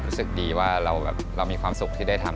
รู้สึกดีว่าเรามีความสุขที่ได้ทำ